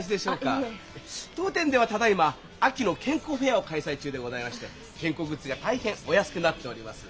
当店ではただいま秋の健康フェアを開催中でございまして健康グッズが大変お安くなっております。